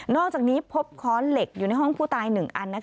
อกจากนี้พบค้อนเหล็กอยู่ในห้องผู้ตาย๑อัน